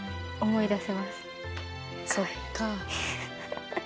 そっか。